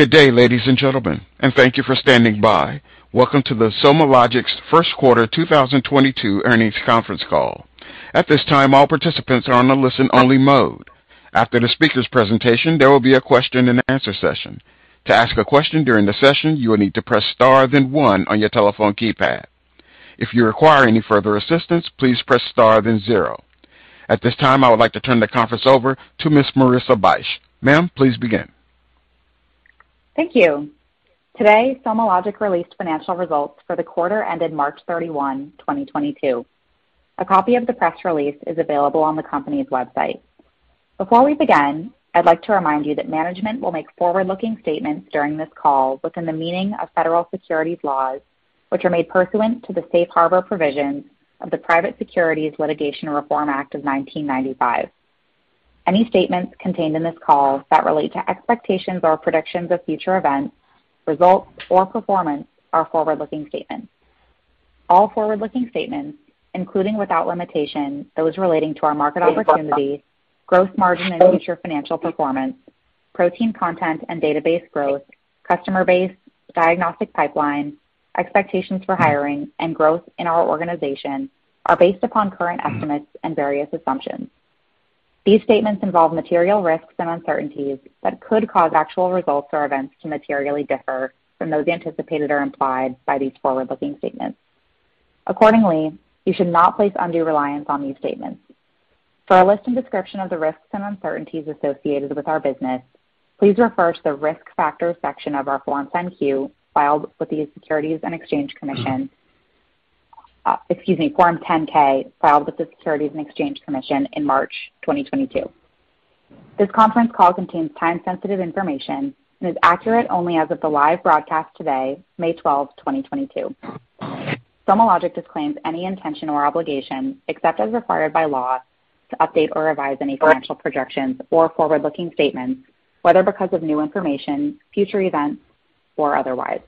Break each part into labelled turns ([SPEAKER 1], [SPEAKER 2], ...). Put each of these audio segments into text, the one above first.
[SPEAKER 1] Good day, ladies and gentlemen, and thank you for standing by. Welcome to the SomaLogic's Q1 2022 earnings conference call. At this time, all participants are on a listen-only mode. After the speaker's presentation, there will be a question and answer session. To ask a question during the session, you will need to press Star, then one on your telephone keypad. If you require any further assistance, please press Star then zero. At this time, I would like to turn the conference over to Miss Marissa Bych. Ma'am, please begin.
[SPEAKER 2] Thank you. Today, SomaLogic released financial results for the quarter ended March 31, 2022. A copy of the press release is available on the company's website. Before we begin, I'd like to remind you that management will make forward-looking statements during this call within the meaning of federal securities laws, which are made pursuant to the safe harbor provisions of the Private Securities Litigation Reform Act of 1995. Any statements contained in this call that relate to expectations or predictions of future events, results or performance are forward-looking statements. All forward-looking statements, including without limitation, those relating to our market opportunities, growth margin and future financial performance, protein content and database growth, customer base, diagnostic pipeline, expectations for hiring and growth in our organization are based upon current estimates and various assumptions. These statements involve material risks and uncertainties that could cause actual results or events to materially differ from those anticipated or implied by these forward-looking statements. Accordingly, you should not place undue reliance on these statements. For a list and description of the risks and uncertainties associated with our business, please refer to the Risk Factors section of our Form 10-K filed with the Securities and Exchange Commission in March 2022. This conference call contains time sensitive information and is accurate only as of the live broadcast today, May 12, 2022. SomaLogic disclaims any intention or obligation, except as required by law, to update or revise any financial projections or forward-looking statements, whether because of new information, future events, or otherwise.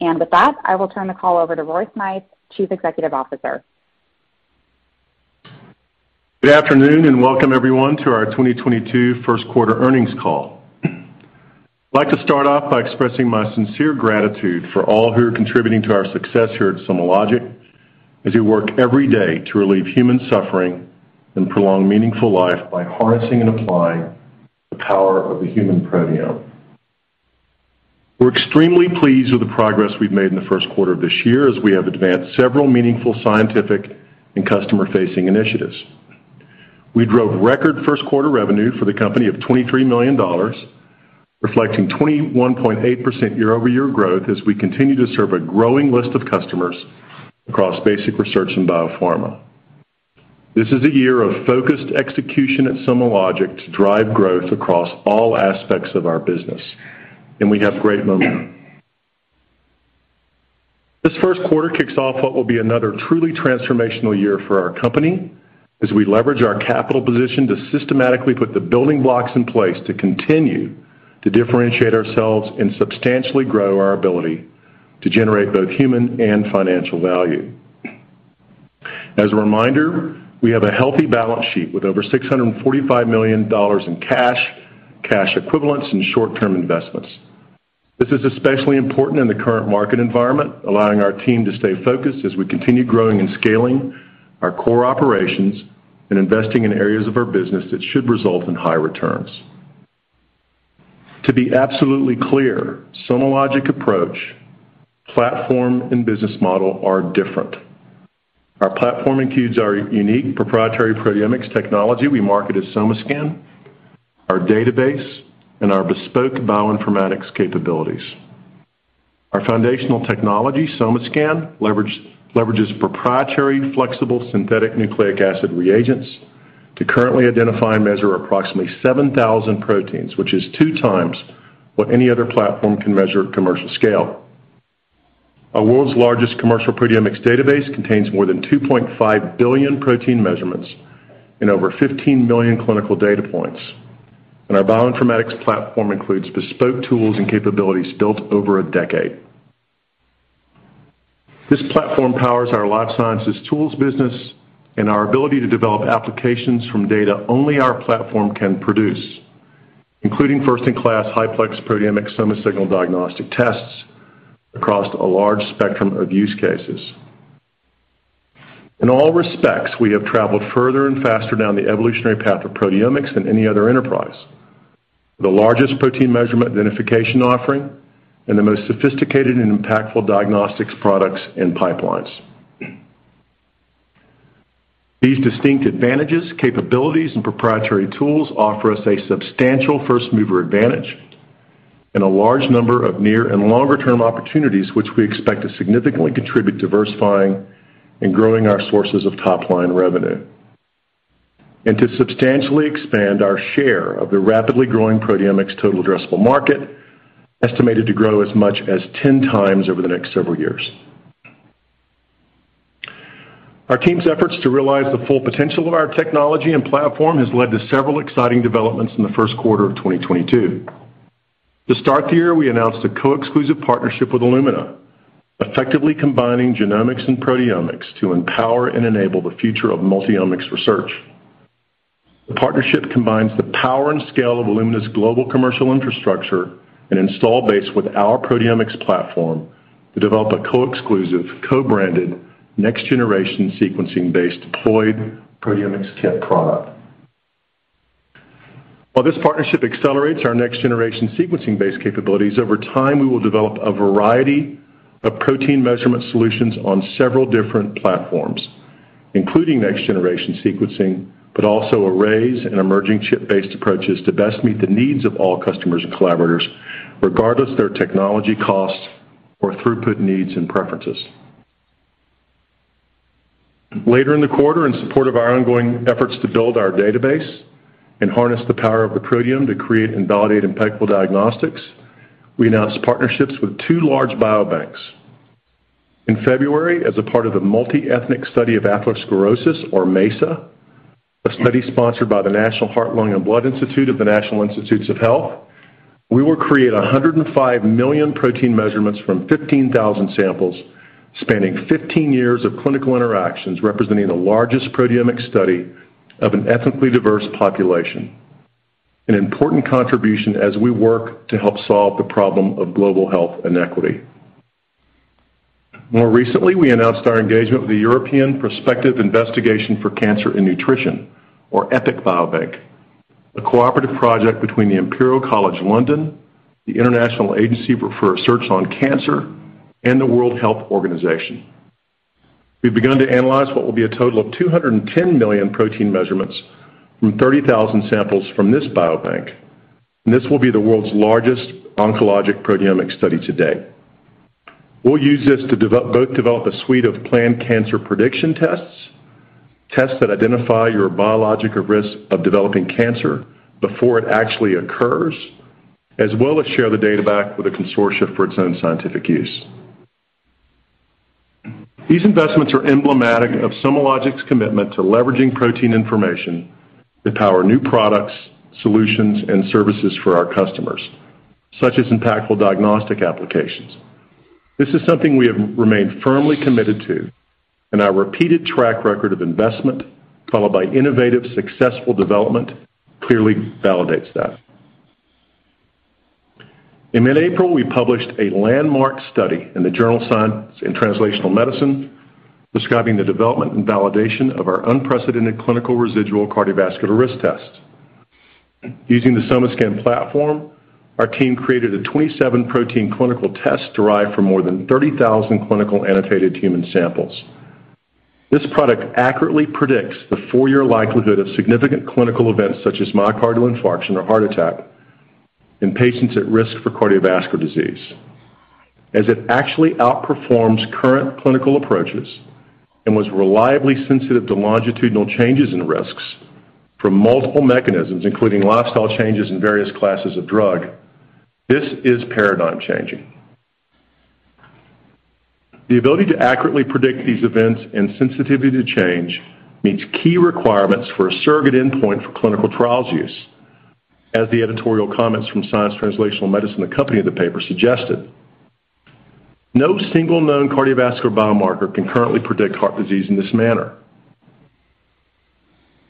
[SPEAKER 2] With that, I will turn the call over to Roy Smythe, Chief Executive Officer.
[SPEAKER 3] Good afternoon and welcome everyone to our 2022 Q1 earnings call. I'd like to start off by expressing my sincere gratitude for all who are contributing to our success here at SomaLogic as we work every day to relieve human suffering and prolong meaningful life by harnessing and applying the power of the human proteome. We're extremely pleased with the progress we've made in the Q1 of this year as we have advanced several meaningful scientific and customer-facing initiatives. We drove record Q1 revenue for the company of $23 million, reflecting 21.8% year-over-year growth as we continue to serve a growing list of customers across basic research and biopharma. This is a year of focused execution at SomaLogic to drive growth across all aspects of our business, and we have great momentum. This Q1 kicks off what will be another truly transformational year for our company as we leverage our capital position to systematically put the building blocks in place to continue to differentiate ourselves and substantially grow our ability to generate both human and financial value. As a reminder, we have a healthy balance sheet with over $645 million in cash equivalents and short-term investments. This is especially important in the current market environment, allowing our team to stay focused as we continue growing and scaling our core operations and investing in areas of our business that should result in high returns. To be absolutely clear, SomaLogic approach, platform and business model are different. Our platform includes our unique proprietary proteomics technology we market as SomaScan, our database and our bespoke bioinformatics capabilities. Our foundational technology, SomaScan, leverages proprietary flexible synthetic nucleic acid reagents to currently identify and measure approximately 7,000 proteins, which is 2 times what any other platform can measure at commercial scale. Our world's largest commercial proteomics database contains more than 2.5 billion protein measurements and over 15 million clinical data points. Our bioinformatics platform includes bespoke tools and capabilities built over a decade. This platform powers our life sciences tools business and our ability to develop applications from data only our platform can produce, including first in class highplex proteomics SomaSignal diagnostic tests across a large spectrum of use cases. In all respects, we have traveled further and faster down the evolutionary path of proteomics than any other enterprise. The largest protein measurement identification offering and the most sophisticated and impactful diagnostics products and pipelines. These distinct advantages, capabilities and proprietary tools offer us a substantial first mover advantage and a large number of near and longer term opportunities, which we expect to significantly contribute diversifying and growing our sources of top line revenue and to substantially expand our share of the rapidly growing proteomics total addressable market, estimated to grow as much as 10 times over the next several years. Our team's efforts to realize the full potential of our technology and platform has led to several exciting developments in the Q1 of 2022. To start the year, we announced a co-exclusive partnership with Illumina, effectively combining genomics and proteomics to empower and enable the future of multi-omics research. The partnership combines the power and scale of Illumina's global commercial infrastructure and install base with our proteomics platform to develop a co-exclusive, co-branded, next-generation sequencing-based deployed proteomics kit product. While this partnership accelerates our next-generation sequencing-based capabilities, over time, we will develop a variety of protein measurement solutions on several different platforms, including next-generation sequencing, but also arrays and emerging chip-based approaches to best meet the needs of all customers and collaborators, regardless of their technology costs or throughput needs and preferences. Later in the quarter, in support of our ongoing efforts to build our database and harness the power of the proteome to create and validate impactful diagnostics, we announced partnerships with two large biobanks. In February, as a part of the Multi-Ethnic Study of Atherosclerosis, or MESA, a study sponsored by the National Heart, Lung, and Blood Institute of the National Institutes of Health, we will create 105 million protein measurements from 15,000 samples spanning 15 years of clinical interactions, representing the largest proteomic study of an ethnically diverse population, an important contribution as we work to help solve the problem of global health inequity. More recently, we announced our engagement with the European Prospective Investigation for Cancer and Nutrition, or EPIC Biobank, a cooperative project between the Imperial College London, the International Agency for Research on Cancer, and the World Health Organization. We have begun to analyze what will be a total of 210 million protein measurements from 30,000 samples from this biobank and this will be the world's largest oncologic proteomic study to date. We'll use this to develop a suite of planned cancer prediction tests that identify your biological risk of developing cancer before it actually occurs, as well as share the data back with the consortia for its own scientific use. These investments are emblematic of SomaLogic's commitment to leveraging protein information to power new products, solutions, and services for our customers, such as impactful diagnostic applications. This is something we have remained firmly committed to, and our repeated track record of investment followed by innovative, successful development clearly validates that. In mid-April, we published a landmark study in the journal Science Translational Medicine describing the development and validation of our unprecedented clinical residual cardiovascular risk test. Using the SomaScan platform, our team created a 27-protein clinical test derived from more than 30,000 clinically annotated human samples. This product accurately predicts the four-year likelihood of significant clinical events such as myocardial infarction or heart attack in patients at risk for cardiovascular disease. As it actually outperforms current clinical approaches and was reliably sensitive to longitudinal changes in risks from multiple mechanisms, including lifestyle changes and various classes of drug, this is paradigm-changing. The ability to accurately predict these events and sensitivity to change meets key requirements for a surrogate endpoint for clinical trials use, as the editorial comments from Science Translational Medicine accompanying the paper suggested. No single known cardiovascular biomarker can currently predict heart disease in this manner.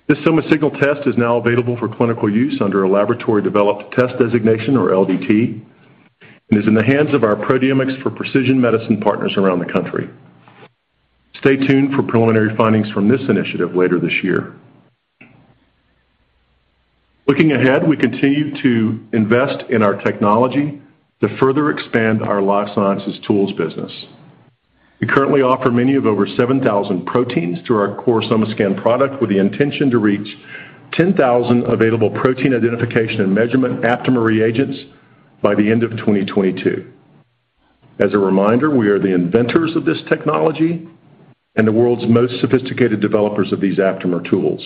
[SPEAKER 3] This SomaSignal test is now available for clinical use under a laboratory-developed test designation, or LDT, and is in the hands of our proteomics for precision medicine partners around the country. Stay tuned for preliminary findings from this initiative later this year. Looking ahead, we continue to invest in our technology to further expand our life sciences tools business. We currently offer measurement of over 7,000 proteins through our core SomaScan product with the intention to reach 10,000 available protein identification and measurement aptamer reagents by the end of 2022. As a reminder we are the inventors of this technology and the world's most sophisticated developers of these aptamer tools.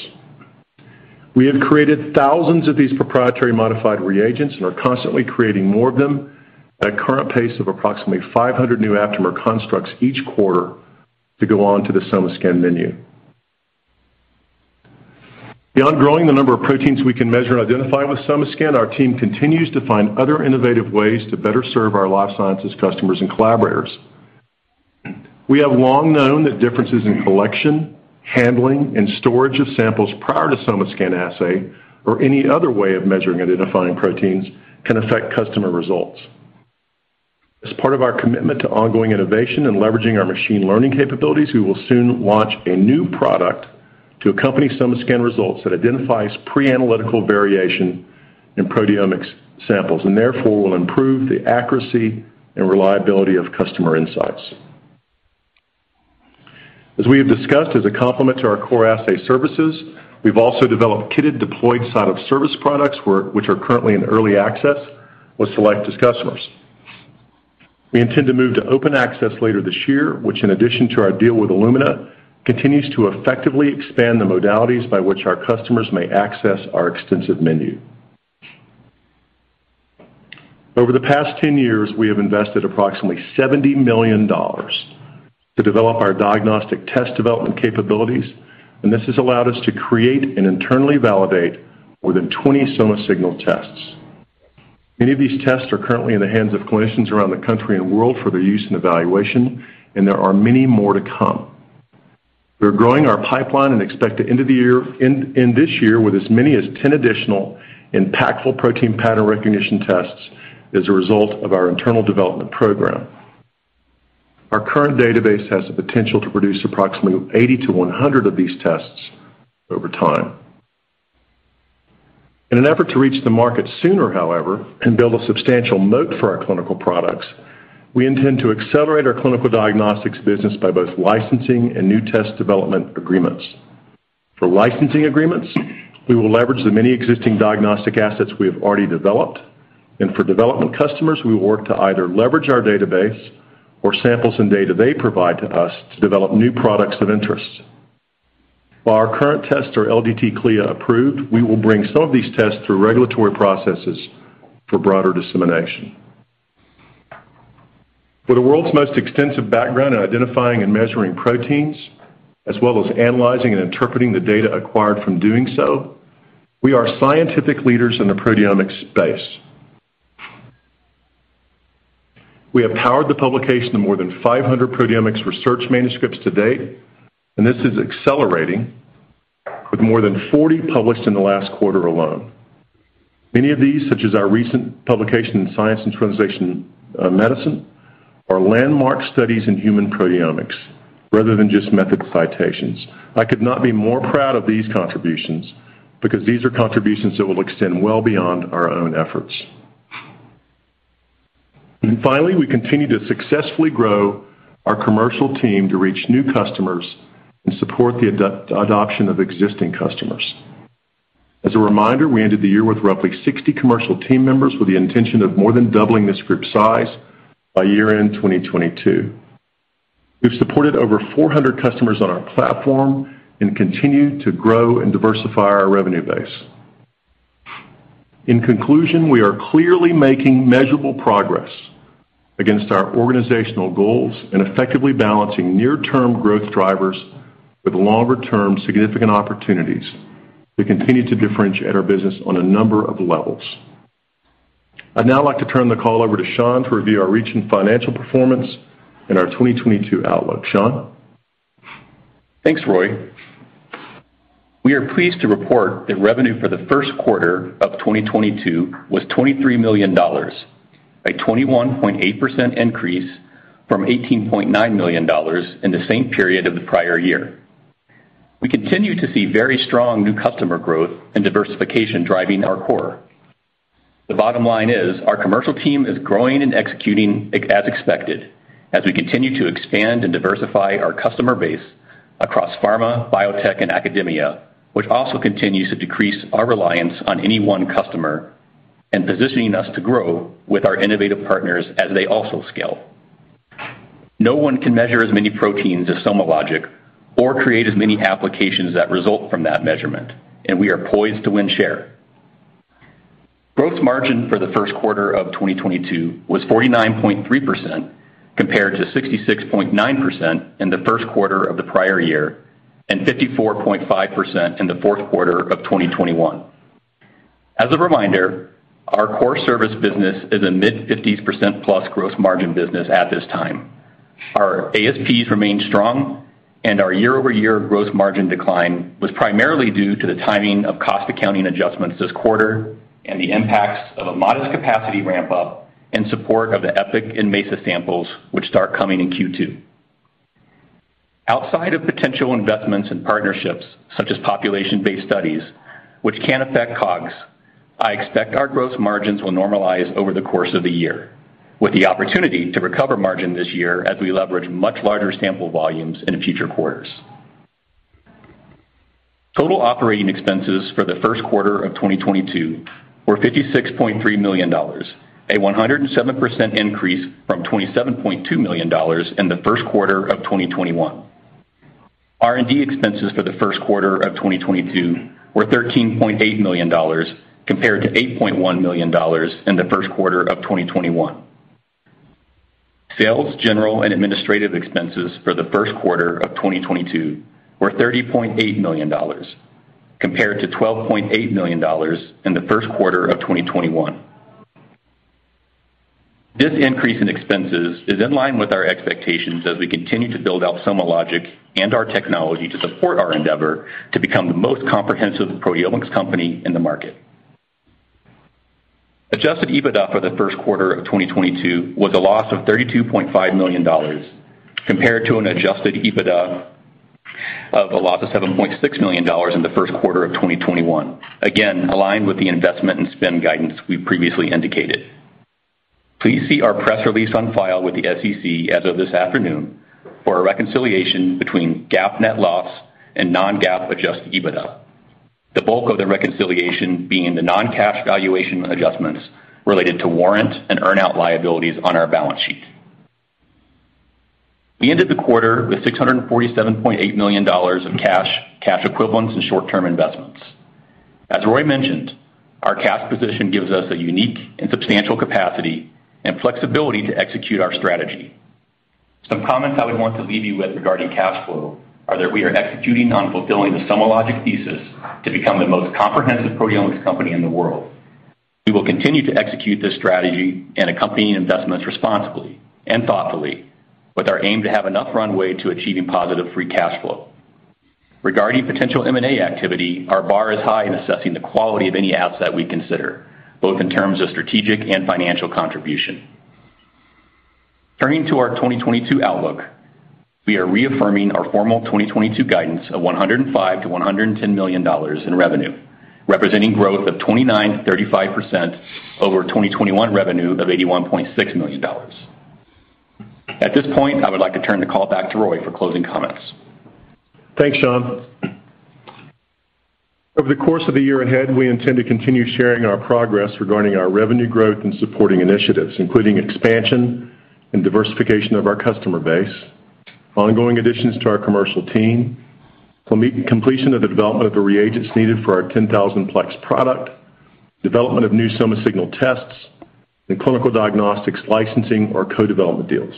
[SPEAKER 3] We have created thousands of these proprietary modified reagents and are constantly creating more of them at a current pace of approximately 500 new aptamer constructs each quarter to go onto the SomaScan menu. Beyond growing the number of proteins we can measure and identify with SomaScan, our team continues to find other innovative ways to better serve our life sciences customers and collaborators. We have long known that differences in collection, handling, and storage of samples prior to SomaScan assay or any other way of measuring identifying proteins can affect customer results. As part of our commitment to ongoing innovation and leveraging our machine learning capabilities, we will soon launch a new product to accompany SomaScan results that identifies pre-analytical variation in proteomics samples and therefore will improve the accuracy and reliability of customer insights. As we have discussed, as a complement to our core assay services, we've also developed kitted deployed site-of-service products which are currently in early access with select customers. We intend to move to open access later this year, which in addition to our deal with Illumina, continues to effectively expand the modalities by which our customers may access our extensive menu. Over the past 10 years, we have invested approximately $70 million to develop our diagnostic test development capabilities, and this has allowed us to create and internally validate more than 20 SomaSignal tests. Many of these tests are currently in the hands of clinicians around the country and world for their use and evaluation, and there are many more to come. We are growing our pipeline and expect to end this year with as many as 10 additional impactful protein pattern recognition tests as a result of our internal development program. Our current database has the potential to produce approximately 80-100 of these tests over time. In an effort to reach the market sooner, however, and build a substantial moat for our clinical products, we intend to accelerate our clinical diagnostics business by both licensing and new test development agreements. For licensing agreements, we will leverage the many existing diagnostic assets we have already developed, and for development customers, we will work to either leverage our database or samples and data they provide to us to develop new products of interest. While our current tests are LDT CLIA approved, we will bring some of these tests through regulatory processes for broader dissemination. With the world's most extensive background in identifying and measuring proteins, as well as analyzing and interpreting the data acquired from doing so, we are scientific leaders in the proteomics space. We have powered the publication of more than 500 proteomics research manuscripts to date, and this is accelerating with more than 40 published in the last quarter alone. Many of these, such as our recent publication in Science Translational Medicine, are landmark studies in human proteomics rather than just method citations. I could not be more proud of these contributions because these are contributions that will extend well beyond our own efforts. Finally, we continue to successfully grow our commercial team to reach new customers and support the adoption of existing customers. As a reminder, we ended the year with roughly 60 commercial team members with the intention of more than doubling this group size by year-end 2022. We've supported over 400 customers on our platform and continue to grow and diversify our revenue base. In conclusion we are clearly making measurable progress, against our organizational goals and effectively balancing near-term growth drivers with longer-term significant opportunities to continue to differentiate our business on a number of levels. I'd now like to turn the call over to Sean to review our recent financial performance and our 2022 outlook. Shaun?
[SPEAKER 4] Thanks, Roy. We are pleased to report that revenue for the first quarter of 2022 was $23 million, a 21.8% increase from $18.9 million in the same period of the prior year. We continue to see very strong new customer growth and diversification driving our core. The bottom line is our commercial team is growing and executing as expected as we continue to expand and diversify our customer base across pharma, biotech, and academia, which also continues to decrease our reliance on any one customer and positioning us to grow with our innovative partners as they also scale. No one can measure as many proteins as SomaLogic or create as many applications that result from that measurement, and we are poised to win share. Gross margin for the Q1 of 2022 was 49.3% compared to 66.9% in the Q1 of the prior year and 54.5% in the Q4 of 2021. Our core service business is a mid-fifties %+ gross margin business at this time. Our ASPs remain strong and our year-over-year gross margin decline was primarily due to the timing of cost accounting adjustments this quarter and the impacts of a modest capacity ramp up in support of the EPIC and MESA samples, which start coming in Q2. Outside of potential investments in partnerships, such as population-based studies, which can affect COGS, I expect our gross margins will normalize over the course of the year with the opportunity to recover margin this year as we leverage much larger sample volumes in future quarters. Total operating expenses for the Q1 of 2022 were $56.3 million, a 107% increase from $27.2 million in the Q1 of 2021. R&D expenses for the Q1 of 2022 were $13.8 million compared to $8.1 million in the Q1 of 2021. Sales, general, and administrative expenses for the Q1 of 2022 were $30.8 million compared to $12.8 million in the Q1 of 2021. This increase in expenses is in line with our expectations as we continue to build out SomaLogic and our technology to support our endeavor to become the most comprehensive proteomics company in the market. Adjusted EBITDA for the Q1 of 2022 was a loss of $32.5 million compared to an adjusted EBITDA of a loss of $7.6 million in the Q1 of 2021, again, aligned with the investment and spend guidance we previously indicated. Please see our press release on file with the SEC as of this afternoon for a reconciliation between GAAP net loss and non-GAAP adjusted EBITDA. The bulk of the reconciliation being the non-cash valuation adjustments related to warrant and earn out liabilities on our balance sheet. We ended the quarter with $647.8 million of cash equivalents, and short-term investments. As Roy mentioned, our cash position gives us a unique and substantial capacity and flexibility to execute our strategy. Some comments I would want to leave you with regarding cash flow are that we are executing on fulfilling the SomaLogic thesis to become the most comprehensive proteomics company in the world. We will continue to execute this strategy and accompanying investments responsibly and thoughtfully, with our aim to have enough runway to achieving positive free cash flow. Regarding potential M&A activity, our bar is high in assessing the quality of any asset we consider, both in terms of strategic and financial contribution. Turning to our 2022 outlook, we are reaffirming our formal 2022 guidance of $105-$110 million in revenue, representing 29%-35% growth over 2021 revenue of $81.6 million. At this point, I would like to turn the call back to Roy for closing comments.
[SPEAKER 3] Thanks, Sean. Over the course of the year ahead, we intend to continue sharing our progress regarding our revenue growth and supporting initiatives, including expansion and diversification of our customer base, ongoing additions to our commercial team, completion of the development of the reagents needed for our 10,000-plex product, development of new SomaSignal tests, and clinical diagnostics licensing or co-development deals.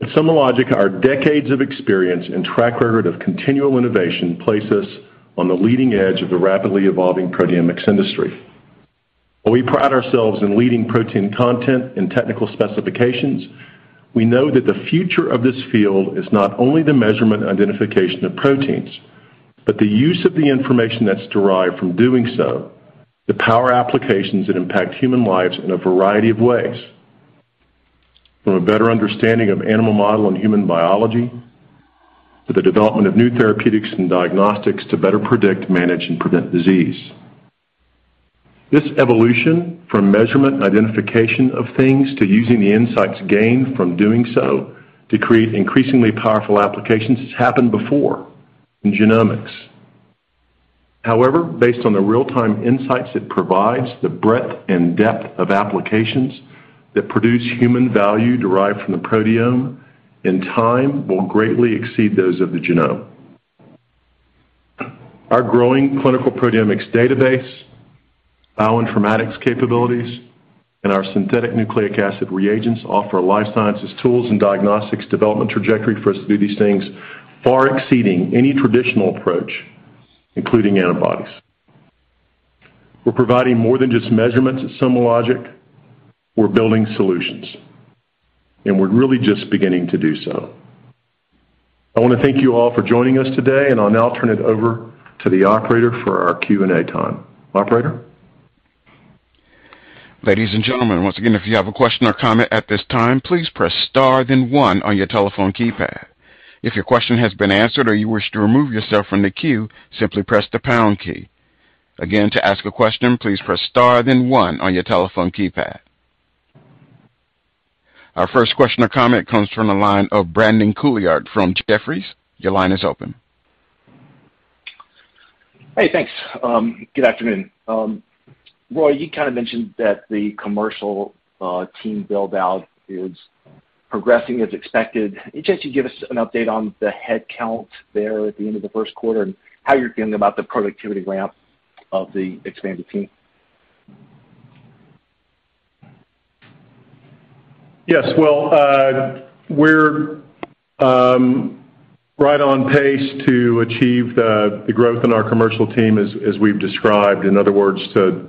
[SPEAKER 3] At SomaLogic, our decades of experience and track record of continual innovation place us on the leading edge of the rapidly evolving proteomics industry. While we pride ourselves in leading protein content and technical specifications, we know that the future of this field is not only the measurement identification of proteins, but the use of the information that's derived from doing so, the power applications that impact human lives in a variety of ways, from a better understanding of animal model and human biology to the development of new therapeutics and diagnostics to better predict, manage, and prevent disease. This evolution from measurement and identification of things to using the insights gained from doing so to create increasingly powerful applications has happened before in genomics. However, based on the real-time insights it provides, the breadth and depth of applications that produce human value derived from the proteome in time will greatly exceed those of the genome. Our growing clinical proteomics database, bioinformatics capabilities, and our synthetic nucleic acid reagents offer life sciences tools and diagnostics development trajectory for us to do these things far exceeding any traditional approach, including antibodies. We're providing more than just measurements at SomaLogic. We are building solutions, and we're really just beginning to do so. I wanna thank you all for joining us today, and I'll now turn it over to the operator for our Q&A time. Operator?
[SPEAKER 1] Ladies and gentlemen, once again, if you have a question or comment at this time, please press star then one on your telephone keypad. If your question has been answered or you wish to remove yourself from the queue, simply press the pound key. Again, to ask a question, please press star then one on your telephone keypad. Our first question or comment comes from the line of Brandon Couillard from Jefferies. Your line is open.
[SPEAKER 5] Hey, thanks. Good afternoon. Roy, you kinda mentioned that the commercial team build-out is progressing as expected. Any chance you give us an update on the head count there at the end of the Q1 and how you're feeling about the productivity ramp of the expanded team?
[SPEAKER 3] Yes. Well, we are right on pace to achieve the growth in our commercial team as we've described, in other words, you know,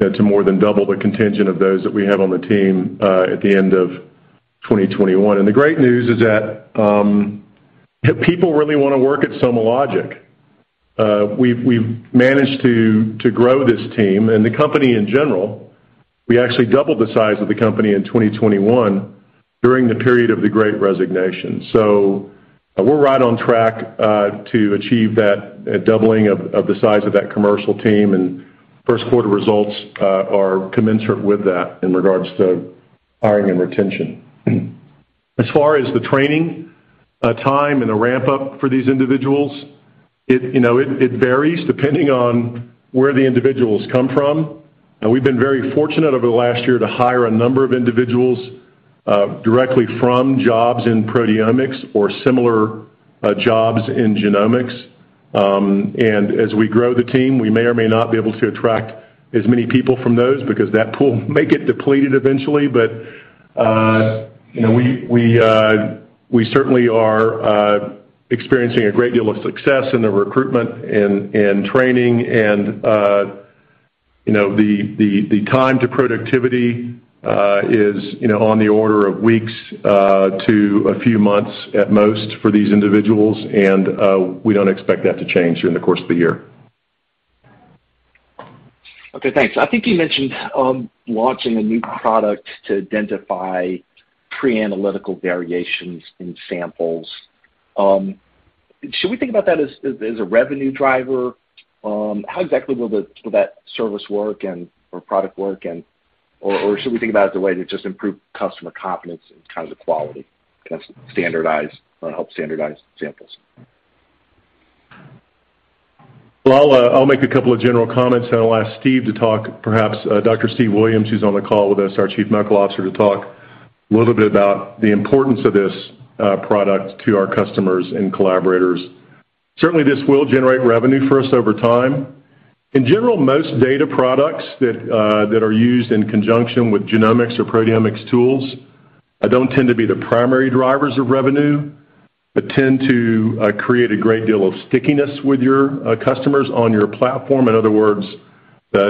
[SPEAKER 3] to more than double the contingent of those that we have on the team at the end of 2021. The great news is that people really wanna work at SomaLogic. We have managed to grow this team and the company in general. We actually doubled the size of the company in 2021 during the period of the Great Resignation. We are right on track to achieve that doubling of the size of that commercial team, and Q1 results are commensurate with that in regards to hiring and retention. As far as the training time and the ramp-up for these individuals, it varies depending on where the individuals come from. Now we've been very fortunate over the last year to hire a number of individuals directly from jobs in proteomics or similar jobs in genomics. As we grow the team, we may or may not be able to attract as many people from those because that pool may get depleted eventually. We certainly are experiencing a great deal of success in the recruitment and training and you know the time to productivity is you know on the order of weeks to a few months at most for these individuals, and we don't expect that to change during the course of the year.
[SPEAKER 5] Okay, thanks. I think you mentioned launching a new product to identify pre-analytical variations in samples. Should we think about that as a revenue driver? How exactly will that service or product work, and should we think about it as a way to just improve customer confidence in terms of quality to kind of standardize or help standardize samples?
[SPEAKER 3] Well, I'll make a couple of general comments, then I'll ask Steve to talk, perhaps, Dr. Stephen Williams, who's on the call with us, our Chief Medical Officer, to talk a little bit about the importance of this product to our customers and collaborators. Certainly, this will generate revenue for us over time. In general, most data products that are used in conjunction with genomics or proteomics tools don't tend to be the primary drivers of revenue, but tend to create a great deal of stickiness with your customers on your platform. In other words,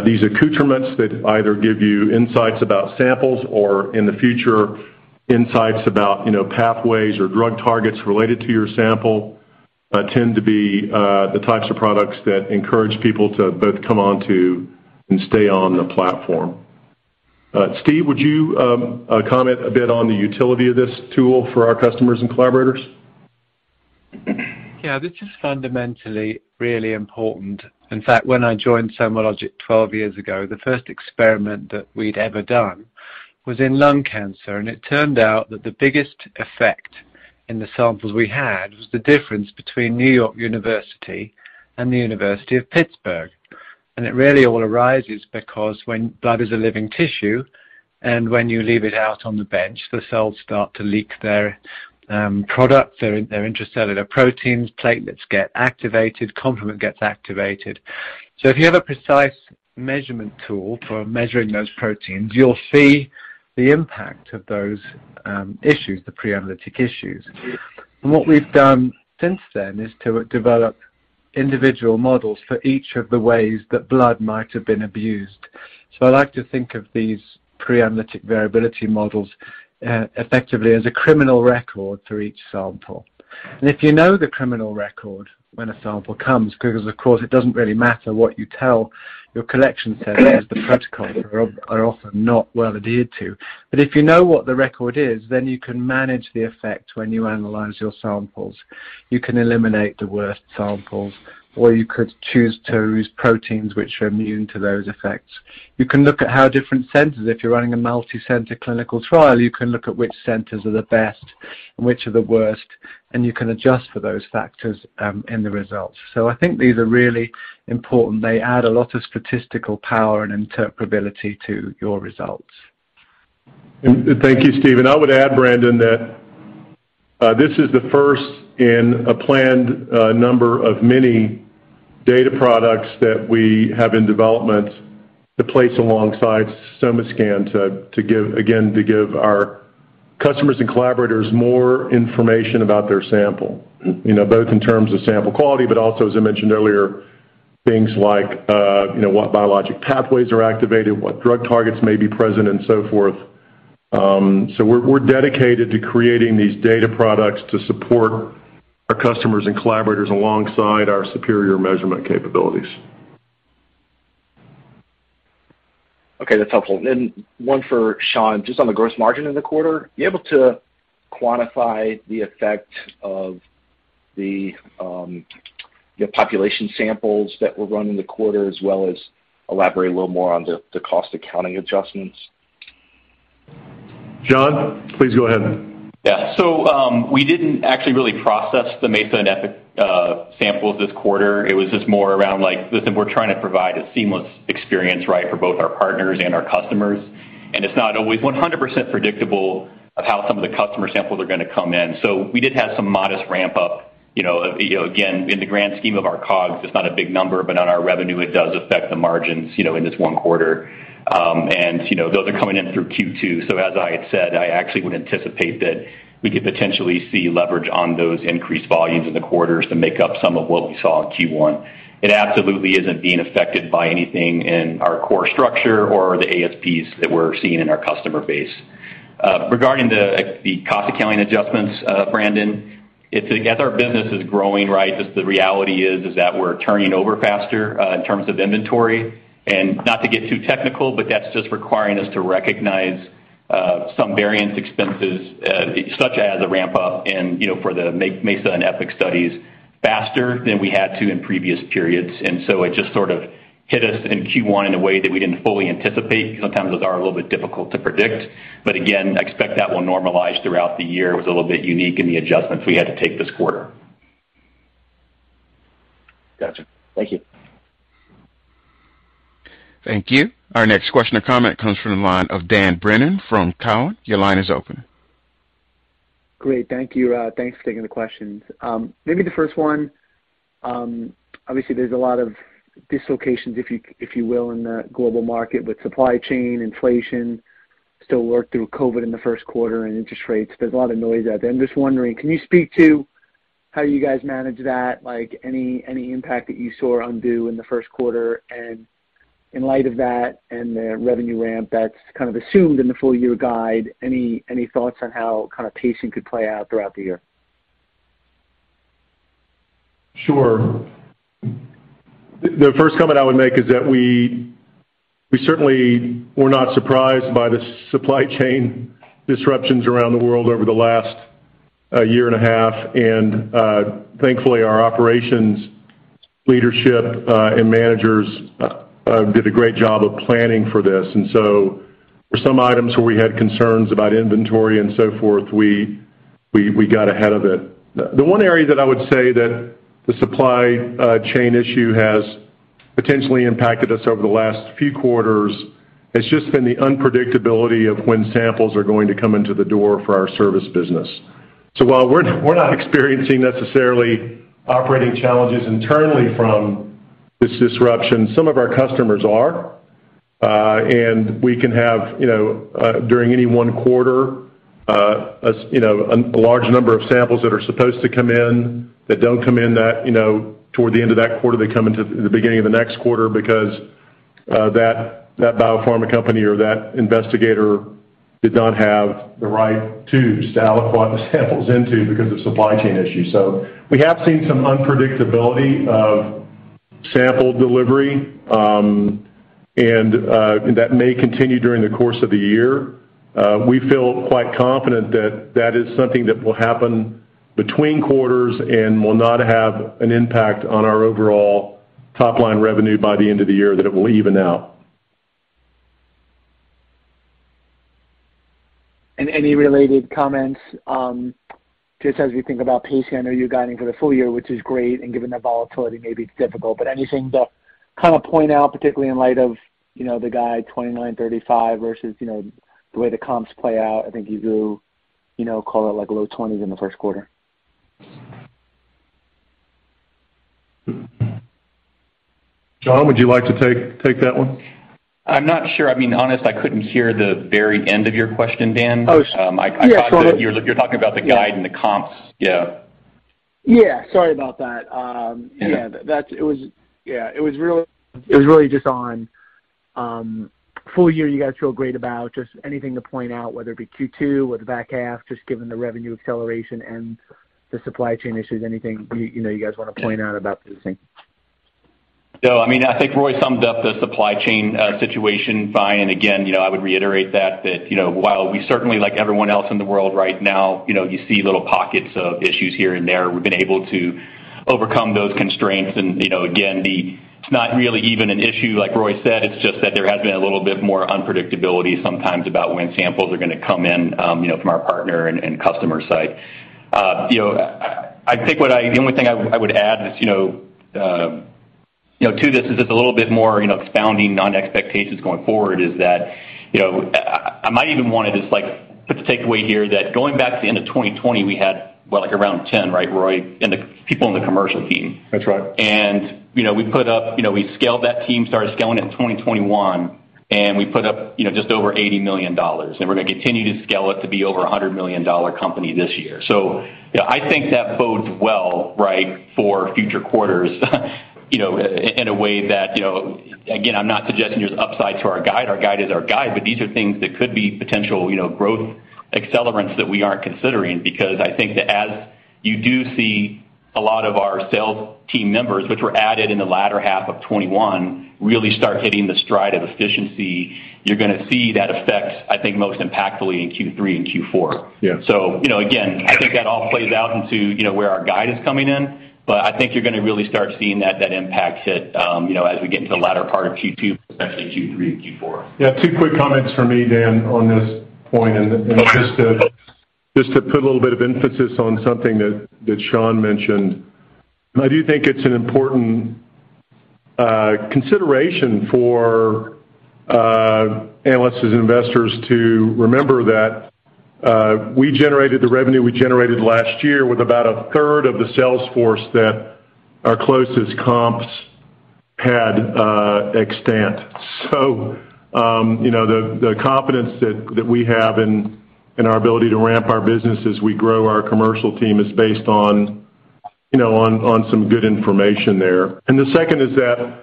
[SPEAKER 3] these accoutrements that either give you insights about samples or in the future insights about, you know, pathways or drug targets related to your sample, tend to be, the types of products that encourage people to both come on to and stay on the platform. Steve, would you comment a bit on the utility of this tool for our customers and collaborators?
[SPEAKER 6] Yeah. This is fundamentally really important. In fact, when I joined SomaLogic 12 years ago, the first experiment that we'd ever done was in lung cancer. It turned out that the biggest effect in the samples we had was the difference between New York University and the University of Pittsburgh. It really all arises because when blood is a living tissue and when you leave it out on the bench, the cells start to leak their product, their intracellular proteins, platelets get activated, complement gets activated. If you have a precise measurement tool for measuring those proteins, you'll see the impact of those issues, the pre-analytic issues. What we have done since then is to develop individual models for each of the ways that blood might have been abused. I like to think of these pre-analytic variability models effectively as a criminal record for each sample. If you know the criminal record when a sample comes, because of course it doesn't really matter what you tell your collection center, as the protocols are often not well adhered to. If you know what the record is, then you can manage the effect when you analyze your samples. You can eliminate the worst samples, or you could choose to use proteins which are immune to those effects. You can look at how different centers. If you are running a multi-center clinical trial, you can look at which centers are the best and which are the worst, and you can adjust for those factors in the results. I think these are really important. They add a lot of statistical power and interpretability to your results.
[SPEAKER 3] Thank you, Steve. I would add, Brandon, that this is the first in a planned number of many data products that we have in development to place alongside SomaScan to give, again, our customers and collaborators more information about their sample, you know, both in terms of sample quality, but also, as I mentioned earlier, things like you know, what biologic pathways are activated, what drug targets may be present and so forth. We are dedicated to creating these data products to support our customers and collaborators alongside our superior measurement capabilities.
[SPEAKER 5] Okay, that's helpful. One for Shaun, just on the gross margin in the quarter, you able to quantify the effect of the, you know, population samples that were run in the quarter as well as elaborate a little more on the cost accounting adjustments?
[SPEAKER 3] Shaun please go ahead.
[SPEAKER 4] Yeah. We didn't actually really process the MESA and EPIC samples this quarter. It was just more around, like, listen, we're trying to provide a seamless experience, right, for both our partners and our customers. It's not always 100% predictable of how some of the customer samples are gonna come in. We did have some modest ramp up. You know, again, in the grand scheme of our cost, it's not a big number, but on our revenue, it does affect the margins, you know, in this one quarter. You know, those are coming in through Q2. As I had said, I actually would anticipate that we could potentially see leverage on those increased volumes in the quarters to make up some of what we saw in Q1. It absolutely isn't being affected by anything in our core structure or the ASPs that we're seeing in our customer base. Regarding the cost accounting adjustments, Brandon, it's as our business is growing, right, just the reality is that we're turning over faster in terms of inventory. Not to get too technical, but that's just requiring us to recognize some variance expenses, such as a ramp up and, you know, for the Mesa and EPIC studies faster than we had to in previous periods. It just sort of hit us in Q1 in a way that we didn't fully anticipate. Sometimes those are a little bit difficult to predict. I expect that will normalize throughout the year. It was a little bit unique in the adjustments we had to take this quarter.
[SPEAKER 5] Gotcha. Thank you.
[SPEAKER 1] Thank you. Our next question or comment comes from the line of Dan Brennan from Cowen. Your line is open.
[SPEAKER 7] Great. Thank you. Thanks for taking the questions. Maybe the first one, obviously there's a lot of dislocations, if you will, in the global market with supply chain, inflation, still working through COVID in the Q1 and interest rates. There's a lot of noise out there. I'm just wondering, can you speak to how you guys manage that? Like, any impact that you saw undue in the Q1? And in light of that and the revenue ramp that's kind of assumed in the full year guide, any thoughts on how kind of pacing could play out throughout the year?
[SPEAKER 3] Sure. The first comment I would make is that we certainly were not surprised by the supply chain disruptions around the world over the last year and a half. Thankfully, our operations leadership and managers did a great job of planning for this. For some items where we had concerns about inventory and so forth, we got ahead of it. The one area that I would say that the supply chain issue has potentially impacted us over the last few quarters has just been the unpredictability of when samples are going to come into the door for our service business. While we are not experiencing necessarily operating challenges internally from this disruption, some of our customers are. We can have, you know, during any one quarter, as... You know, a large number of samples that are supposed to come in that don't come in, you know, toward the end of that quarter, they come into the beginning of the next quarter because that biopharma company or that investigator did not have the right tubes to aliquot the samples into because of supply chain issues. We have seen some unpredictability of sample delivery, and that may continue during the course of the year. We feel quite confident that that is something that will happen between quarters and will not have an impact on our overall top-line revenue by the end of the year, that it will even out.
[SPEAKER 7] Any related comments, just as we think about pacing, I know you are guiding for the full year, which is great, and given the volatility, maybe it's difficult. Anything to kind of point out, particularly in light of, you know, the guide $29-$35 versus, you know, the way the comps play out. I think you do, you know, call it like low 20s in the Q1.
[SPEAKER 3] Shaun, would you like to take that one?
[SPEAKER 4] I'm not sure. I mean, honestly, I couldn't hear the very end of your question, Dan.
[SPEAKER 7] Oh, sure.
[SPEAKER 4] I thought that you're talking about the guide and the comps. Yeah.
[SPEAKER 7] Sorry about that. It was really just on full year, you guys feel great about just anything to point out, whether it be Q2 or the back half, just given the revenue acceleration and the supply chain issues. Anything you know, you guys want to point out about those things?
[SPEAKER 4] No, I mean, I think Roy summed up the supply chain situation fine. I would reiterate that you know, while we certainly like everyone else in the world right now, you know, you see little pockets of issues here and there. We've been able to overcome those constraints and you know, again, it's not really even an issue, like Roy said. It's just that there has been a little bit more unpredictability sometimes about when samples are gonna come in, you know, from our partner and customer site. You know, I think what I. The only thing I would add is, you know, you know, to this is just a little bit more, you know, expounding on expectations going forward, is that, you know, I might even want to just, like, put the takeaway here that going back to the end of 2020, we had, what, like, around 10, right, Roy? In the people in the commercial team.
[SPEAKER 3] That's right.
[SPEAKER 4] You know, we put up, you know, we scaled that team, started scaling it in 2021, and we put up, you know, just over $80 million, and we are gonna continue to scale it to be over a $100 million company this year. Yeah, I think that bodes well, right, for future quarters, you know, in a way that, you know. Again, I'm not suggesting there's upside to our guide. Our guide is our guide. These are things that could be potential, you know, growth accelerants that we aren't considering because I think that as you do see a lot of our sales team members, which were added in the latter half of 2021, really start hitting the stride of efficiency, you're gonna see that effect, I think, most impactfully in Q3 and Q4.
[SPEAKER 3] Yeah.
[SPEAKER 4] You know, again, I think that all plays out into, you know, where our guide is coming in. I think you are gonna really start seeing that impact hit, you know, as we get into the latter part of Q2, especially Q3 and Q4.
[SPEAKER 3] Yeah. Two quick comments from me, Dan, on this point and just to put a little bit of emphasis on something that Sean mentioned. I do think it's an important consideration for analysts and investors to remember that we generated the revenue we generated last year with about a third of the sales force that our closest comps had in extent. So, you know, the confidence that we have in our ability to ramp our business as we grow our commercial team is based on, you know, on some good information there. The second is that,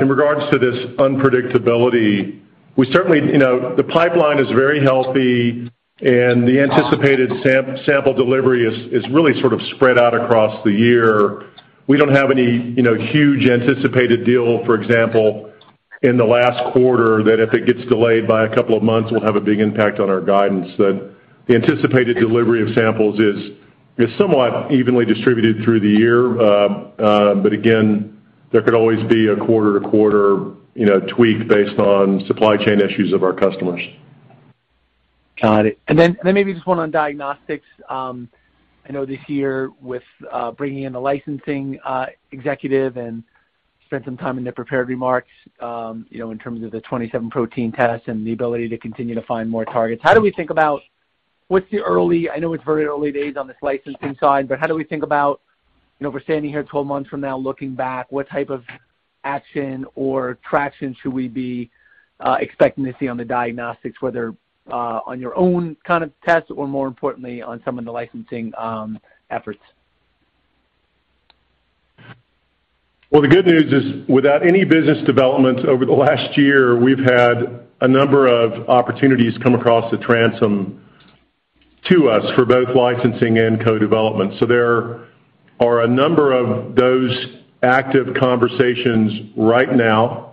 [SPEAKER 3] in regards to this unpredictability, we certainly. You know, the pipeline is very healthy, and the anticipated sample delivery is really sort of spread out across the year. We don't have any, you know, huge anticipated deal, for example, in the last quarter that if it gets delayed by a couple of months, will have a big impact on our guidance. The anticipated delivery of samples is somewhat evenly distributed through the year. Again, there could always be a quarter-to-quarter, you know, tweak based on supply chain issues of our customers.
[SPEAKER 7] Got it. Maybe just one on diagnostics. I know this year with bringing in the licensing executive and spent some time in the prepared remarks, you know, in terms of the 27 protein tests and the ability to continue to find more targets. I know it's very early days on this licensing side, but how do we think about, you know, if we're standing here 12 months from now looking back, what type of action or traction should we be expecting to see on the diagnostics, whether on your own kind of tests or more importantly, on some of the licensing efforts?
[SPEAKER 3] Well, the good news is, without any business development over the last year, we've had a number of opportunities come across the transom to us for both licensing and co-development. There are a number of those active conversations right now.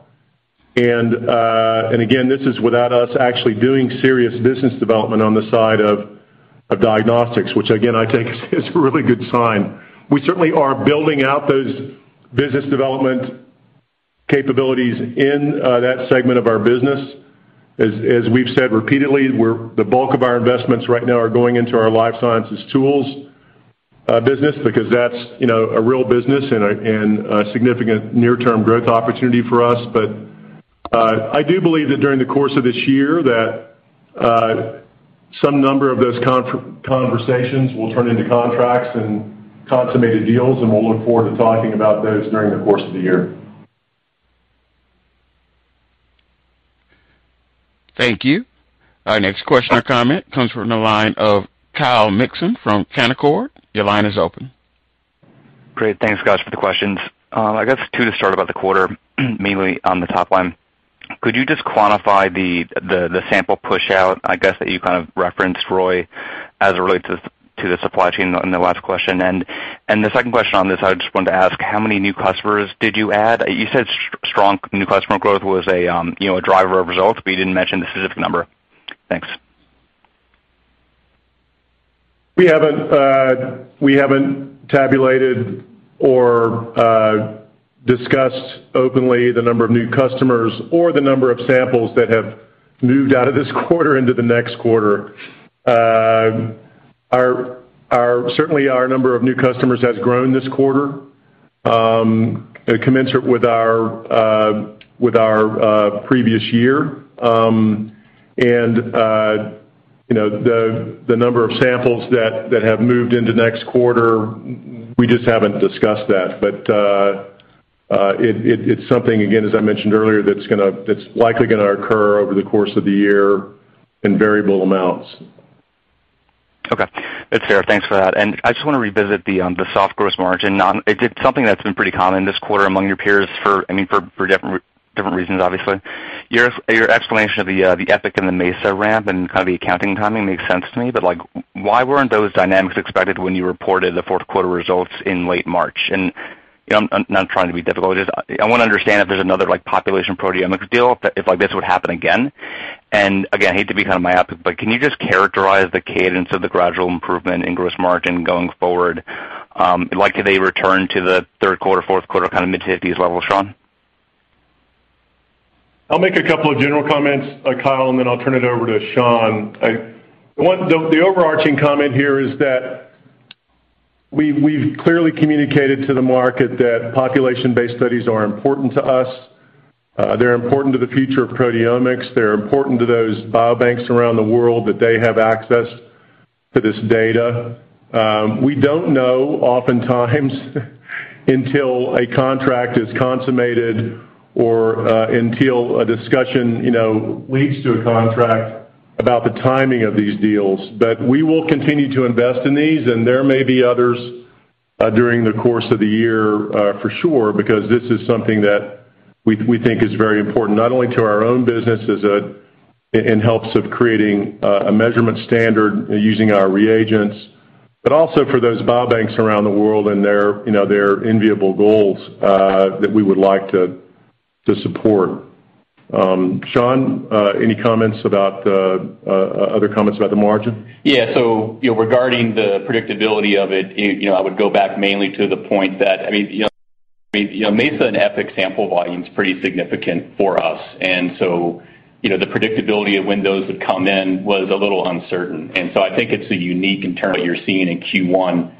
[SPEAKER 3] Again, this is without us actually doing serious business development on the diagnostics side, which again, I take as a really good sign. We certainly are building out those business development capabilities in that segment of our business. As we've said repeatedly, the bulk of our investments right now are going into our life sciences tools business, because that's, you know, a real business and a significant near-term growth opportunity for us. I do believe that during the course of this year that some number of those conversations will turn into contracts and consummated deals, and we'll look forward to talking about those during the course of the year.
[SPEAKER 1] Thank you. Our next question or comment comes from the line of Kyle Mikson from Canaccord Genuity. Your line is open.
[SPEAKER 8] Great. Thanks, guys, for the questions. I guess two to start about the quarter, mainly on the top line. Could you just quantify the sample push out, I guess, that you kind of referenced Roy as it relates to the supply chain in the last question? The second question on this, I just wanted to ask, how many new customers did you add? You said strong new customer growth was a, you know, a driver of results, but you didn't mention the specific number. Thanks.
[SPEAKER 3] We haven't tabulated or discussed openly the number of new customers or the number of samples that have moved out of this quarter into the next quarter. Certainly, our number of new customers has grown this quarter, commensurate with our previous year. You know, the number of samples that have moved into next quarter. We just haven't discussed that. It's something, again, as I mentioned earlier, that's likely gonna occur over the course of the year in variable amounts.
[SPEAKER 8] Okay. That's fair. Thanks for that. I just wanna revisit the soft gross margin. It's something that's been pretty common this quarter among your peers for, I mean, for different reasons, obviously. Your explanation of the EPIC and the MESA ramp and kind of the accounting timing makes sense to me. Like, why weren't those dynamics expected when you reported the Q4 results in late March? You know, I'm not trying to be difficult. Just I wanna understand if there's another, like, population proteomics deal, if like this would happen again. Again, I hate to be kind of myopic, but can you just characterize the cadence of the gradual improvement in gross margin going forward? Like, do they return to the Q3, Q4, kind of mid-fifties levels, Shaun?
[SPEAKER 3] I'll make a couple of general comments, Kyle, and then I'll turn it over to Shaun. The overarching comment here is that we've clearly communicated to the market that population-based studies are important to us. They are important to the future of proteomics. They're important to those biobanks around the world that they have access to this data. We don't know oftentimes until a contract is consummated or until a discussion, you know, leads to a contract about the timing of these deals. We will continue to invest in these, and there may be others during the course of the year, for sure, because this is something that we think is very important, not only to our own business in hopes of creating a measurement standard using our reagents, but also for those biobanks around the world and their you know their enviable goals that we would like to support. Shaun, any other comments about the margin?
[SPEAKER 4] Yeah. You know, regarding the predictability of it, you know, I would go back mainly to the point that, I mean, you know, MESA and EPIC sample volume is pretty significant for us. You know, the predictability of when those would come in was a little uncertain. I think it's a unique internal you're seeing in Q1,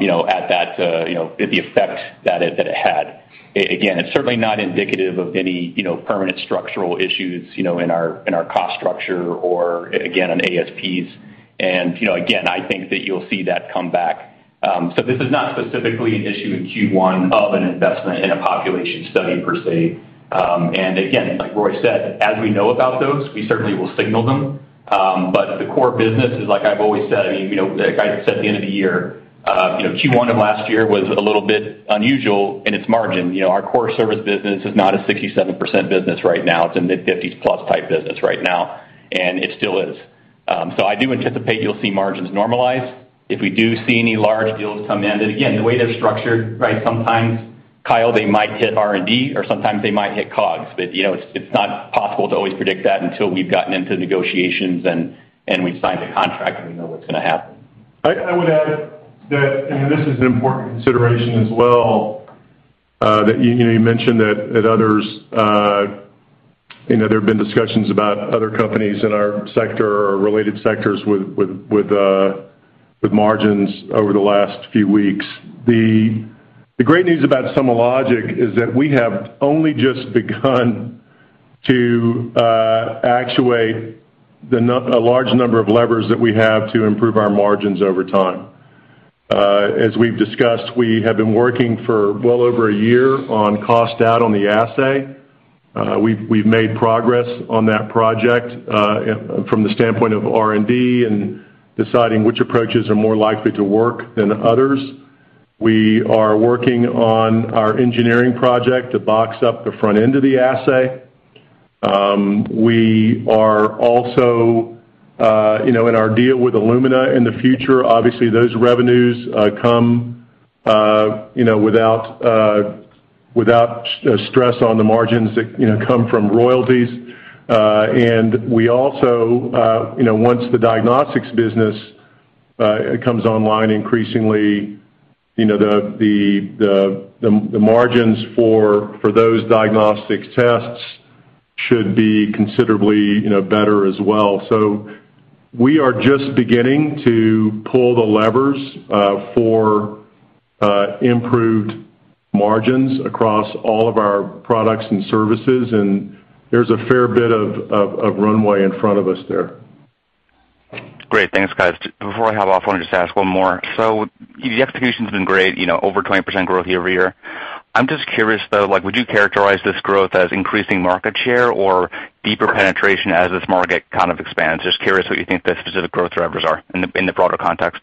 [SPEAKER 4] you know, at that, you know, the effect that it had. Again, it's certainly not indicative of any, you know, permanent structural issues, you know, in our cost structure or again, on ASPs. You know, again, I think that you'll see that come back. This is not specifically an issue in Q1 of an investment in a population study per se. Again, like Roy said, as we know about those, we certainly will signal them. The core business is like I've always said, you know, like I said at the end of the year, you know, Q1 of last year was a little bit unusual in its margin. You know, our core service business is not a 67% business right now. It's a mid-50s+ type business right now, and it still is. I do anticipate you'll see margins normalize if we do see any large deals come in. Again, the way they're structured, right, sometimes, Kyle, they might hit R&D or sometimes they might hit COGS. You know, it's not possible to always predict that until we've gotten into negotiations and we've signed a contract and we know what's gonna happen.
[SPEAKER 3] I would add that, and this is an important consideration as well, that you know, you mentioned that others, you know, there have been discussions about other companies in our sector or related sectors with margins over the last few weeks. The great news about SomaLogic is that we have only just begun to actuate a large number of levers that we have to improve our margins over time. As we've discussed, we have been working for well over a year on cost out on the assay. We have made progress on that project from the standpoint of R&D and deciding which approaches are more likely to work than others. We are working on our engineering project to box up the front end of the assay. We are also, you know, in our deal with Illumina in the future, obviously, those revenues come, you know, without stress on the margins that, you know, come from royalties. We also, you know, once the diagnostics business comes online increasingly, you know, the margins for those diagnostic tests should be considerably, you know, better as well. We are just beginning to pull the levers for improved margins across all of our products and services, and there's a fair bit of runway in front of us there.
[SPEAKER 8] Great. Thanks, guys. Before I hop off, I want to just ask one more. The execution's been great, you know, over 20% growth year-over-year. I'm just curious, though, like, would you characterize this growth as increasing market share or deeper penetration as this market kind of expands? Just curious what you think the specific growth drivers are in the broader context.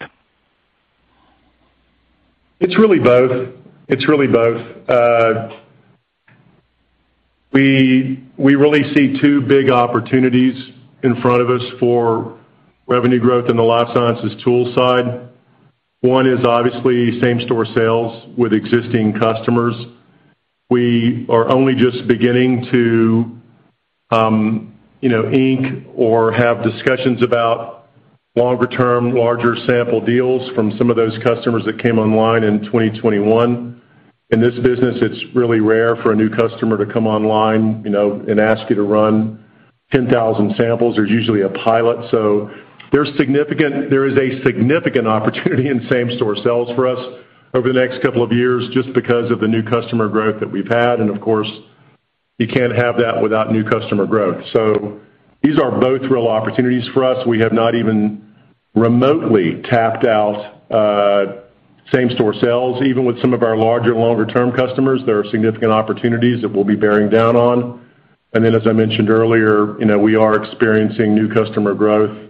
[SPEAKER 3] It's really both. We really see two big opportunities in front of us for revenue growth in the life sciences tools side. One is obviously same-store sales with existing customers. We are only just beginning to, you know, ink or have discussions about longer-term, larger sample deals from some of those customers that came online in 2021. In this business, it's really rare for a new customer to come online, you know, and ask you to run 10,000 samples. There's usually a pilot. There is a significant opportunity in same-store sales for us over the next couple of years just because of the new customer growth that we've had. Of course, you can't have that without new customer growth. These are both real opportunities for us. We have not even remotely tapped out same-store sales. Even with some of our larger, longer-term customers, there are significant opportunities that we'll be bearing down on. As I mentioned earlier, you know, we are experiencing new customer growth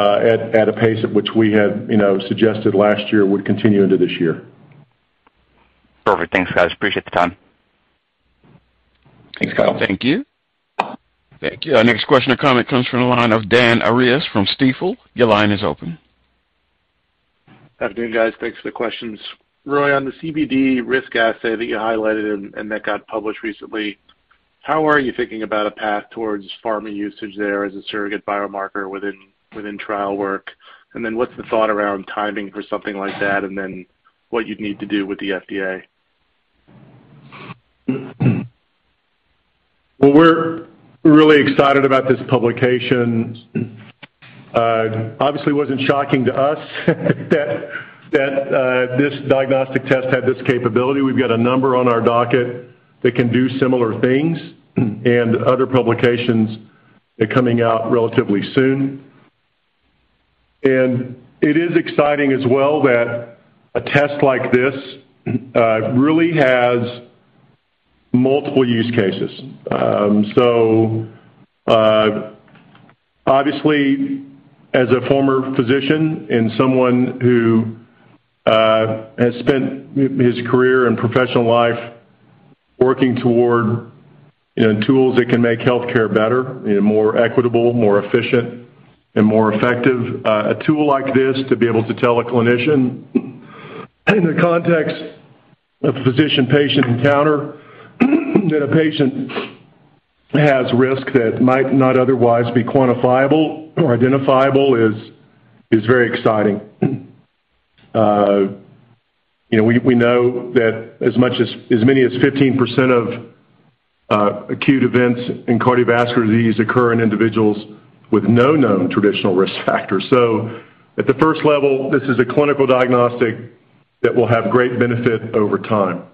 [SPEAKER 3] at a pace at which we had, you know, suggested last year would continue into this year.
[SPEAKER 8] Perfect. Thanks, guys. Appreciate the time.
[SPEAKER 3] Thanks, Kyle.
[SPEAKER 1] Thank you. Thank you. Our next question or comment comes from the line of Dan Arias from Stifel. Your line is open.
[SPEAKER 9] Afternoon, guys. Thanks for the questions. Roy, on the CVD risk assay that you highlighted and that got published recently, how are you thinking about a path towards pharma usage there as a surrogate biomarker within trial work? What's the thought around timing for something like that, and then what you'd need to do with the FDA?
[SPEAKER 3] Well, we're really excited about this publication. Obviously it wasn't shocking to us that this diagnostic test had this capability. We've got a number on our docket that can do similar things and other publications coming out relatively soon. It is exciting as well that a test like this really has multiple use cases. Obviously as a former physician and someone who has spent his career and professional life working toward, you know, tools that can make healthcare better, you know, more equitable, more efficient and more effective, a tool like this to be able to tell a clinician in the context of physician-patient encounter that a patient has risk that might not otherwise be quantifiable or identifiable is very exciting. You know, we know that as many as 15% of acute events in cardiovascular disease occur in individuals with no known traditional risk factors. At the first level, this is a clinical diagnostic that will have great benefit over time.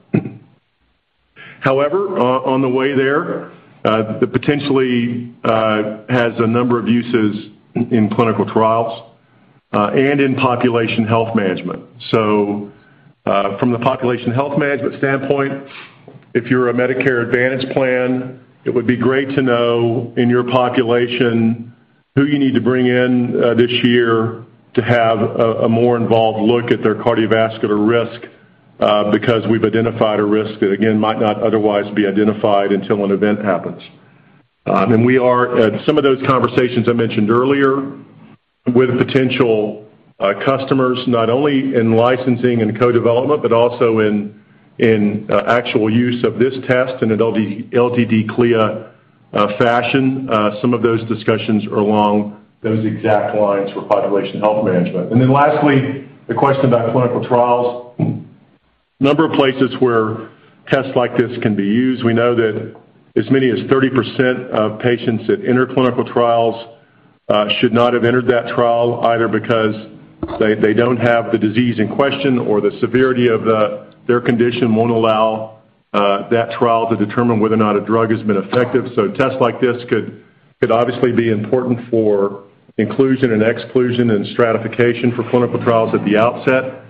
[SPEAKER 3] However, on the way there, it potentially has a number of uses in clinical trials and in population health management. From the population health management standpoint, if you're a Medicare Advantage plan, it would be great to know in your population who you need to bring in this year to have a more involved look at their cardiovascular risk, because we've identified a risk that again might not otherwise be identified until an event happens. We are at some of those conversations I mentioned earlier with potential customers, not only in licensing and co-development, but also in actual use of this test in an LDT CLIA fashion. Some of those discussions are along those exact lines for population health management. Lastly, the question about clinical trials. A number of places where tests like this can be used. We know that as many as 30% of patients that enter clinical trials should not have entered that trial either because they don't have the disease in question or the severity of their condition won't allow that trial to determine whether or not a drug has been effective. Tests like this could obviously be important for inclusion and exclusion and stratification for clinical trials at the outset.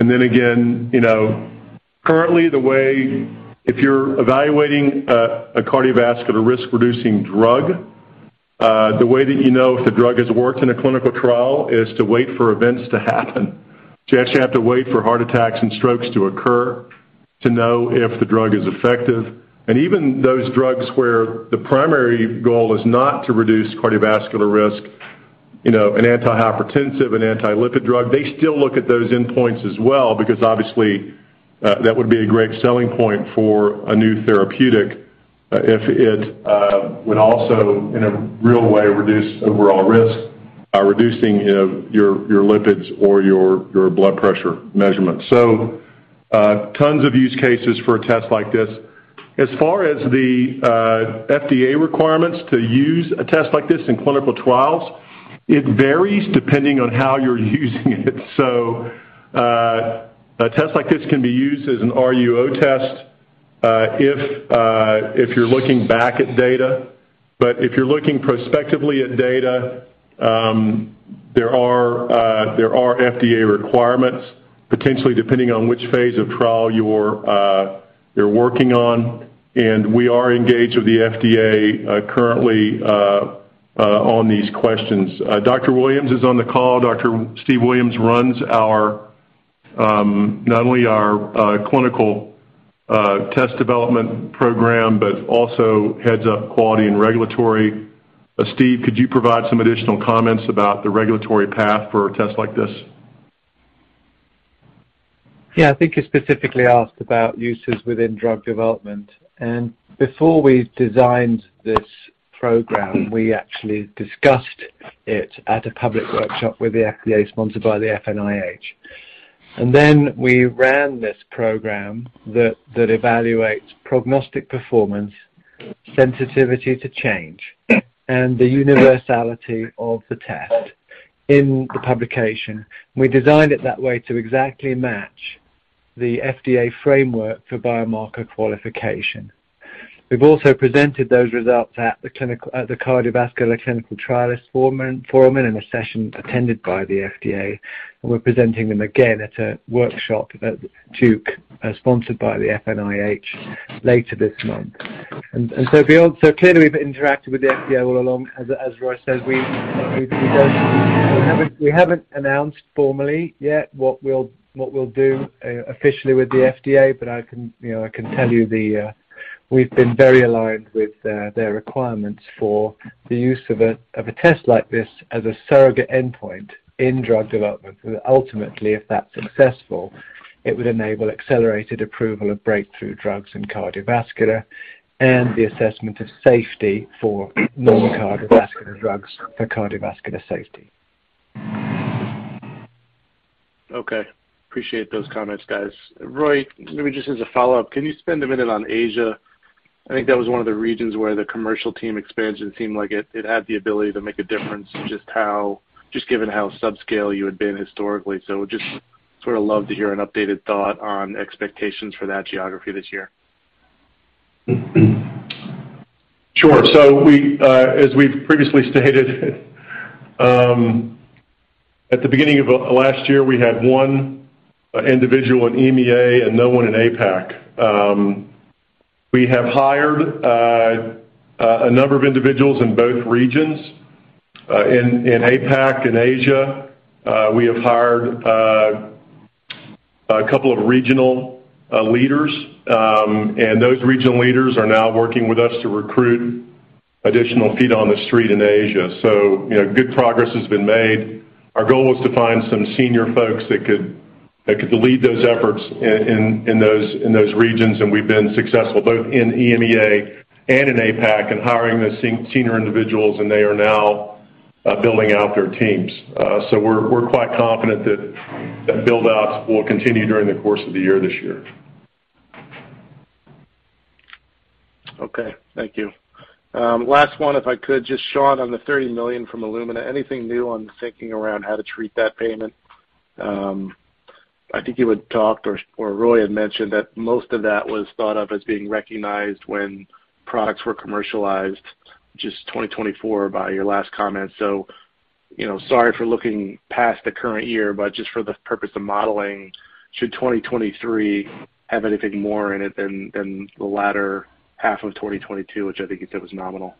[SPEAKER 3] You know, currently the way if you're evaluating a cardiovascular risk-reducing drug, the way that you know if the drug has worked in a clinical trial is to wait for events to happen. You actually have to wait for heart attacks and strokes to occur to know if the drug is effective. Even those drugs where the primary goal is not to reduce cardiovascular risk, you know, an antihypertensive, an anti-lipid drug, they still look at those endpoints as well because obviously, that would be a great selling point for a new therapeutic, if it would also in a real way reduce overall risk by reducing, you know, your lipids or your blood pressure measurement. Tons of use cases for a test like this. As far as the FDA requirements to use a test like this in clinical trials, it varies depending on how you're using it. A test like this can be used as an RUO test if you are looking back at data. If you're looking prospectively at data, there are FDA requirements, potentially depending on which phase of trial you're working on, and we are engaged with the FDA currently on these questions. Dr. Williams is on the call. Dr. Stephen Williams runs not only our clinical test development program but also heads up quality and regulatory. Steve, could you provide some additional comments about the regulatory path for a test like this?
[SPEAKER 6] Yeah. I think you specifically asked about uses within drug development. Before we designed this program, we actually discussed it at a public workshop with the FDA sponsored by the FNIH. Then we ran this program that evaluates prognostic performance, sensitivity to change, and the universality of the test in the publication. We designed it that way to exactly match the FDA framework for biomarker qualification. We've also presented those results at the cardiovascular clinical trialists forum and in a session attended by the FDA, and we're presenting them again at a workshop at Duke sponsored by the FNIH later this month. We also clearly have interacted with the FDA all along, as Roy said, we haven't announced formally yet what we'll do officially with the FDA, but I can, you know, I can tell you we've been very aligned with their requirements for the use of a test like this as a surrogate endpoint in drug development. Ultimately, if that's successful, it would enable accelerated approval of breakthrough drugs in cardiovascular and the assessment of safety for non-cardiovascular drugs for cardiovascular safety.
[SPEAKER 9] Okay. Appreciate those comments, guys. Roy, maybe just as a follow-up, can you spend a minute on Asia? I think that was one of the regions where the commercial team expansion seemed like it had the ability to make a difference in just how, just given how subscale you had been historically. Just sort of love to hear an updated thought on expectations for that geography this year.
[SPEAKER 3] Sure. We, as we've previously stated, at the beginning of last year, we had one individual in EMEA and no one in APAC. We have hired a number of individuals in both regions. In APAC, in Asia, we have hired a couple of regional leaders, and those regional leaders are now working with us to recruit additional feet on the street in Asia. You know, good progress has been made. Our goal was to find some senior folks that could lead those efforts in those regions, and we've been successful both in EMEA and in APAC in hiring the senior individuals, and they are now building out their teams. We're quite confident that the build-outs will continue during the course of the year this year.
[SPEAKER 9] Okay, thank you. Last one, if I could, just Sean, on the $30 million from Illumina. Anything new on thinking around how to treat that payment? I think you had talked or Roy had mentioned that most of that was thought of as being recognized when products were commercialized, just 2024 by your last comment. You know, sorry for looking past the current year, but just for the purpose of modeling, should 2023 have anything more in it than the latter half of 2022, which I think you said was nominal?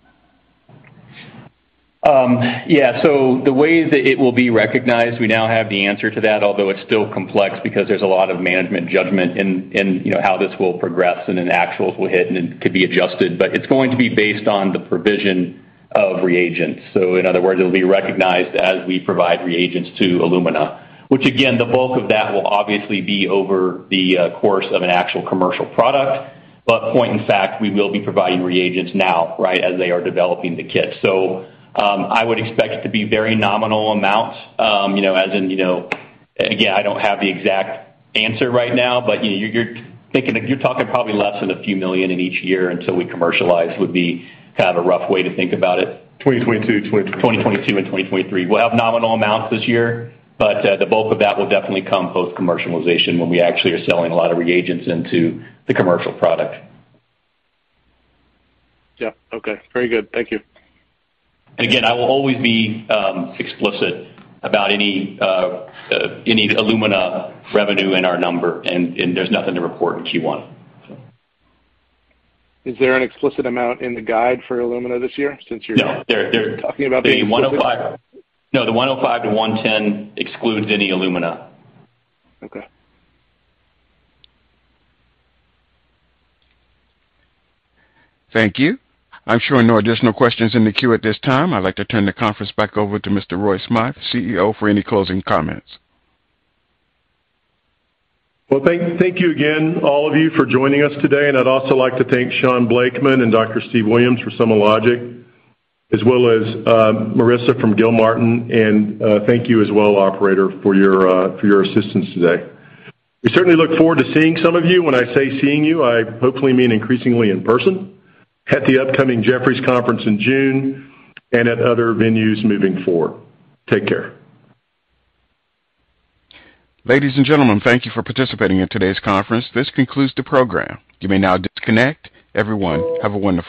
[SPEAKER 4] The way that it will be recognized, we now have the answer to that, although it's still complex because there's a lot of management judgment in you know, how this will progress and then actuals will hit and it could be adjusted. It's going to be based on the provision of reagents. In other words, it will be recognized as we provide reagents to Illumina, which again, the bulk of that will obviously be over the course of an actual commercial product. Point in fact, we will be providing reagents now, right, as they are developing the kit. I would expect it to be very nominal amounts, you know, as in, you know. Again, I don't have the exact answer right now, but, you know, you're talking probably less than a few $ million in each year until we commercialize, would be kind of a rough way to think about it.
[SPEAKER 3] 2022, 2023.
[SPEAKER 4] 2022 and 2023. We'll have nominal amounts this year, but, the bulk of that will definitely come post-commercialization when we actually are selling a lot of reagents into the commercial product.
[SPEAKER 9] Yeah. Okay. Very good. Thank you.
[SPEAKER 4] Again, I will always be explicit about any Illumina revenue in our number and there's nothing to report in Q1, so.
[SPEAKER 9] Is there an explicit amount in the guide for Illumina this year since you're-?
[SPEAKER 4] No. There, there.
[SPEAKER 9] Talking about being explicit?
[SPEAKER 4] The 105-110 excludes any Illumina.
[SPEAKER 9] Okay.
[SPEAKER 1] Thank you. I'm showing no additional questions in the queue at this time. I'd like to turn the conference back over to Mr. Roy Smythe, CEO, for any closing comments.
[SPEAKER 3] Well, thank you again, all of you, for joining us today. I'd also like to thank Shaun Blakeman and Dr. Stephen Williams from SomaLogic, as well as Marissa Bych from Gilmartin Group. Thank you as well, operator, for your assistance today. We certainly look forward to seeing some of you. When I say seeing you, I hopefully mean increasingly in person at the upcoming Jefferies conference in June and at other venues moving forward. Take care.
[SPEAKER 1] Ladies and gentlemen, thank you for participating in today's conference. This concludes the program. You may now disconnect. Everyone, have a wonderful day.